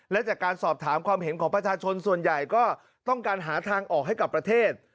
และจากการสอบถามความเห็นของประชาชนส่วนใหญ่ก็ต้องการหาทางออกให้กับประเทศ